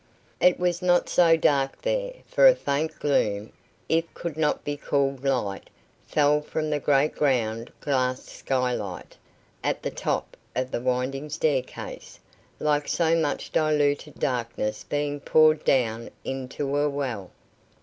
It was not so dark there, for a faint gloom it could not be called light fell from the great ground glass sky light, at the top of the winding staircase, like so much diluted darkness being poured down into a well.